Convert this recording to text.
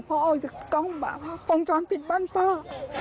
พอออกจากกล้องวงจรปิดบ้านป้า